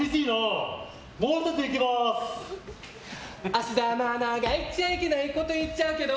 芦田愛菜が言っちゃいけないこと言っちゃうけど。